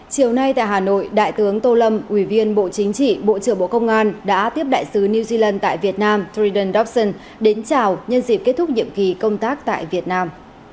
chiều nay tại hà nội đại tướng tô lâm ủy viên bộ chính trị bộ trưởng bộ công an đã tiếp đại sứ new zealand tại việt nam triden dobson đến chào nhân dịp kết thúc nhiệm kỳ công tác tại việt nam